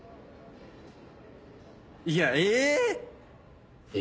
いやえ！え？